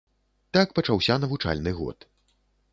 Так пачаўся навучальны год.